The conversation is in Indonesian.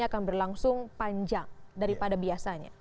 akan berlangsung panjang daripada biasanya